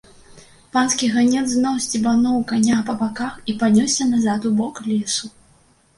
Панскі ганец зноў сцебануў каня па баках і панёсся назад у бок лесу.